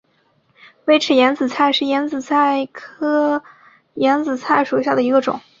微齿眼子菜为眼子菜科眼子菜属下的一个种。